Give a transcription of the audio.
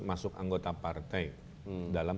masuk anggota partai dalam